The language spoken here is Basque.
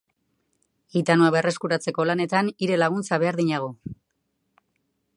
Hitanoa berreskuratzeko lanetan hire laguntza beharko dinagu.